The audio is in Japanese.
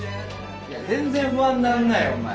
全然不安にならないよお前。